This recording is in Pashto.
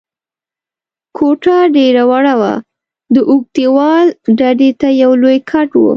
کوټه ډېره وړه وه، د اوږد دېوال ډډې ته یو لوی کټ و.